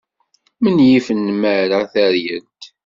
Menyif nnmara taryalt.